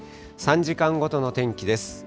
３時間ごとの天気です。